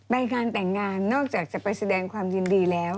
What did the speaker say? ไปงานแต่งงานนอกจากจะไปแสดงความยินดีแล้ว